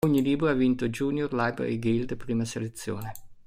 Ogni libro ha vinto Junior Library Guild prima selezione.